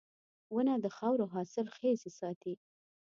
• ونه د خاورو حاصلخېزي ساتي.